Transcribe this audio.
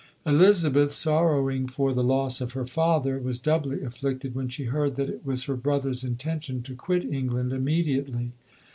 Elizabeth, sorrowing for the loss of her father, was doubly afflicted when she heard that it was her brother's intention to quit England imme diately.